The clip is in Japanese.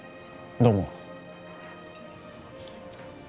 どうも。